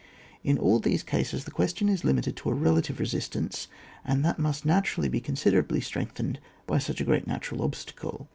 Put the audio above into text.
In all these cases the question is limited to a relative resistance, and that must naturally be considerably strengthened by such a great natural obstacle.